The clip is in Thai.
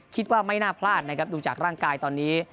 คิดว่าไม่น่าพลาดนะครับดูจากร่างกายตอนนี้